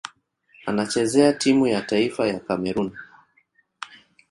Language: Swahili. Anachezea timu ya taifa ya Kamerun.